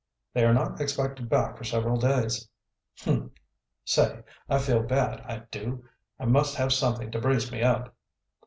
"They are not expected back for several days." "Humph! Say, I feel bad, I do. I must have something to brace me up."